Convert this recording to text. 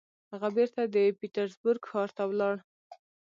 هغه بېرته د پيټرزبورګ ښار ته ولاړ.